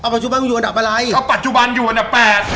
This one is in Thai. ปัจจุบันมันอยู่อันดับอะไรว่าปัจจุบันอยู่อันดับ๘